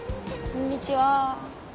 こんにちは。